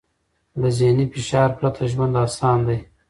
له ذهني فشار پرته ژوند اسان دی.